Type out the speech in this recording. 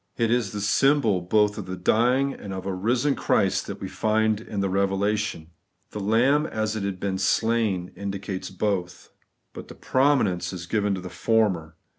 It is the symbol both of a dying and of a risen Christ that we find in the Eevelation. The ' lamb as it had been slain' indicates both. But the pro minence is given to the former.